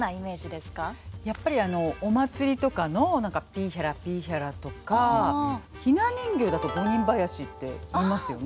やっぱりお祭りとかのピヒャラピヒャラとかひな人形だと五人囃子って言いますよね。